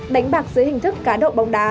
đánh bạc dưới hình thức cá độ bóng đá